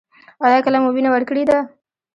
ایا کله مو وینه ورکړې ده؟